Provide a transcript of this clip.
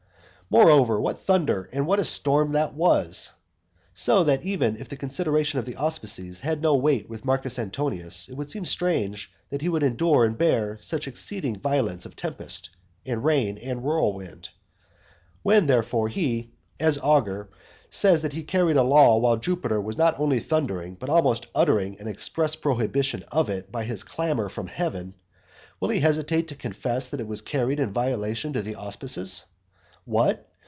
Moreover, what thunder, and what a storm that was! so that even if the consideration of the auspices had no weight with Marcus Antonius, it would seem strange that he could endure and bear such exceeding violence of tempest, and rain, and whirlwind. When therefore he, as augur, says that he carried a law while Jupiter was not only thundering, but almost uttering an express prohibition of it by his clamour from heaven, will he hesitate to confess that it was carried in violation of the auspices? What?